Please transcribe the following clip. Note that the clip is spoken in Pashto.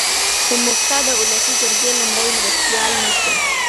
په مفته د اولسي جرګې لومړی مرستیال نه شوم.